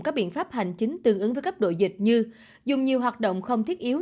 có biện pháp hành chính tương ứng với cấp độ dịch như dùng nhiều hoạt động không thiết yếu